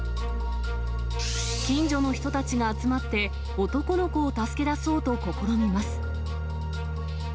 近所の人たちが集まって、男の子を助け出そうと試みます。